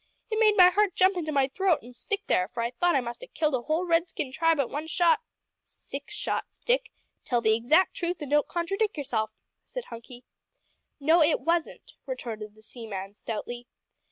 It made my heart jump into my throat an' stick there, for I thought I must have killed a whole Redskin tribe at one shot " "Six shots, Dick. Tell the exact truth an' don't contradic' yourself," said Hunky. "No, it wasn't," retorted the seaman stoutly.